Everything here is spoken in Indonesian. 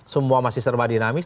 semua masih serba dinamis